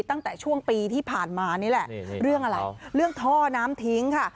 ตั้งแต่ช่วงปีที่ผ่านมานี่แหละเรื่องอะไรเรื่องท่อน้ำทิ้งค่ะ